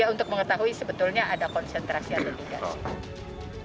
untuk mengetahui sebetulnya ada konsentrasi atau tidak sih